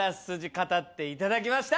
語っていただきました。